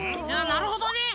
なるほどね。